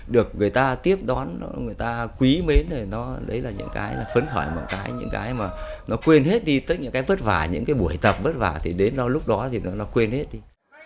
được người ta tiếp đón người ta quý mến đấy là những cái phấn thoại những cái mà nó quên hết đi tức những cái vất vả những cái buổi tập vất vả thì đến lúc đó thì nó quên hết đi